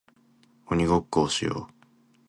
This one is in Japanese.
鬼ごっこをしよう